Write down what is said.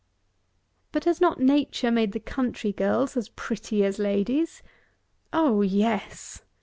But has not Nature made the country girls as pretty as ladies? Oh, yes!